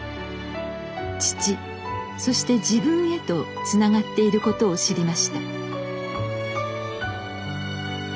父そして自分へとつながっていることを知りました。